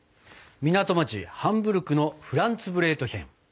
港町ハンブルクのフランツブレートヒェン。